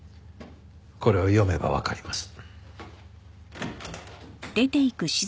これを読めばわかります。